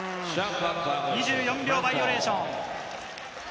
２４秒バイオレーション。